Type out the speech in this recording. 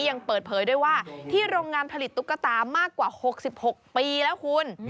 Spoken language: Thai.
ยังเปิดเผยด้วยว่าที่โรงงานผลิตตุ๊กตามากกว่า๖๖ปีแล้วคุณ